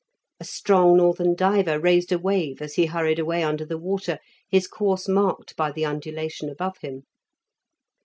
A strong northern diver raised a wave as he hurried away under the water, his course marked by the undulation above him.